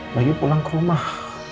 lagi pulang ke rumah